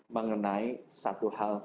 mengenai satu hal